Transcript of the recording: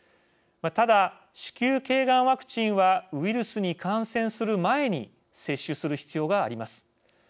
ただ、子宮けいがんワクチンはウイルスに感染する前に接種する必要があります。